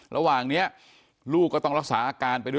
ระหว่างนี้ลูกก็ต้องรักษาอาการไปด้วย